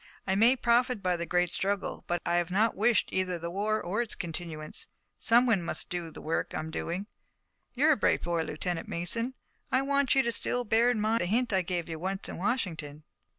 I may profit by the great struggle, but I have not wished either the war or its continuance. Someone must do the work I am doing. You're a bright boy, Lieutenant Mason, and I want you still to bear in mind the hint that I gave you once in Washington."